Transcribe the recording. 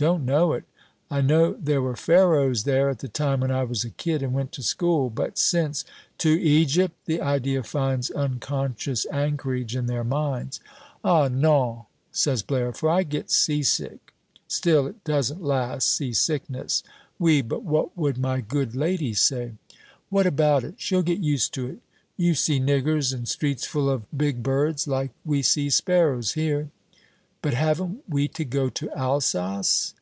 Don't know it. I know there were Pharaohs there at the time when I was a kid and went to school, but since " "To Egypt!" The idea finds unconscious anchorage in their minds. "Ah, non," says Blaire, "for I get sea sick. Still, it doesn't last, sea sickness. Oui, but what would my good lady say?" "What about it? She'll get used to it. You see niggers, and streets full of big birds, like we see sparrows here." "But haven't we to go to Alsace?"